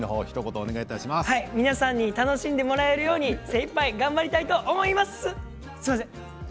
皆さんに楽しんでもらえるように精いっぱい頑張ります。